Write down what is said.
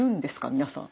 皆さん。